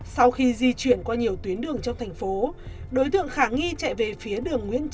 sau khi di chuyển qua nhiều tuyến đường trong thành phố đối tượng khả nghi chạy về phía đường nguyễn trí